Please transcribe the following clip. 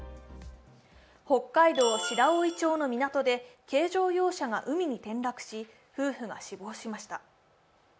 北海道白老町の港で、軽乗用車が海に転落し、夫婦が死亡しました。